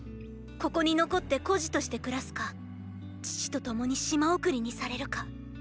ここに残って孤児として暮らすか父と共に島送りにされるか。